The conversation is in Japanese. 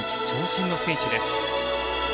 長身の選手です。